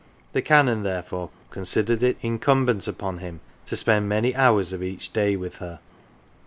The Canon therefore considered it incumbent on him to spend many hours of each day with her.